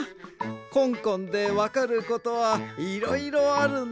コンコンでわかることはいろいろあるんだな。